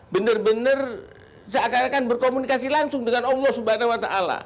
bener bener seakan akan berkomunikasi langsung dengan allah swt